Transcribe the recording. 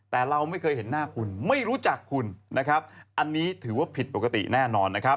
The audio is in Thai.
แต่เราไม่เคยเห็นหน้าคุณไม่รู้จักคุณนะครับอันนี้ถือว่าผิดปกติแน่นอนนะครับ